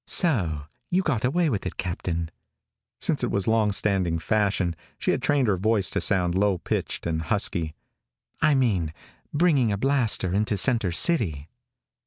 "So you got away with it, Captain." Since it was long standing fashion, she had trained her voice to sound low pitched and husky. "I mean, bringing a blaster into center city."